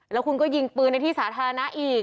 แล้วคุณก็ยิงปืนในที่สาธารณะอีก